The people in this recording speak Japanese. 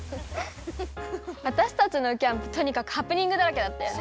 わたしたちのキャンプとにかくハプニングだらけだったよね。